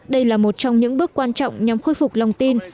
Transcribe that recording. đây là một trong những bước quan trọng nhằm khôi phục lòng tin